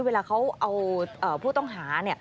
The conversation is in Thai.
เวลาเขาเอาผู้ต้องหา